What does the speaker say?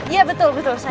iya betul betul saya